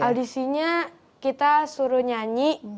audisinya kita suruh nyanyi